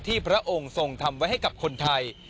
พระองค์ทรงทำไว้ให้กับคนไทย